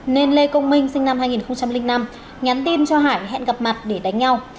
nên lê công minh sinh năm hai nghìn năm nhắn tin cho hải hẹn gặp mặt để đánh nhau